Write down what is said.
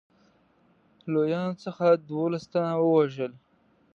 لویانو څخه دوولس تنه ووژل.